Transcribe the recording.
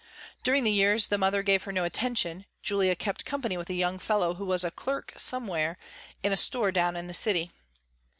During the years the mother gave her no attention, Julia kept company with a young fellow who was a clerk somewhere in a store down in the city.